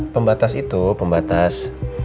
pembatas itu pembatas